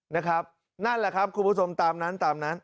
นั่นแหละครับคุณผู้ชมตามนั้นตามนั้น